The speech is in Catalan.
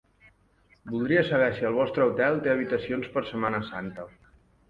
Voldria saber si el vostre hotel té habitacions per setmana santa.